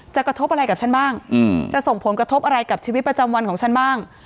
กระทบอะไรกับฉันบ้างจะส่งผลกระทบอะไรกับชีวิตประจำวันของฉันบ้าง